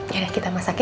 ya udah kita masak ya